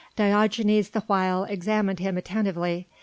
Diogenes the while examined him attentively.